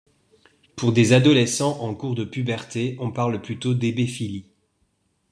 Pour des adolescents en cours de puberté, on parle plutôt d'hébéphilie.